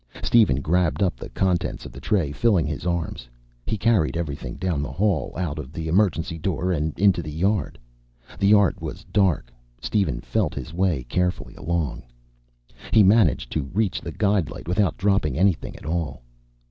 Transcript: Steven grabbed up the contents of the tray, filling his arms. He carried everything down the hall, out the emergency door and into the yard. The yard was dark. Steven felt his way carefully along. He managed to reach the guide light without dropping anything at all.